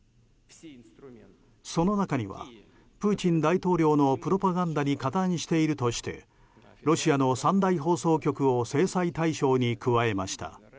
その中にはプーチン大統領のプロパガンダに加担しているとしてロシアの３大放送局を制裁対象に加えました。